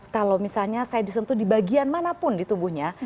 kalau misalnya saya disentuh di bagian manapun di tubuhnya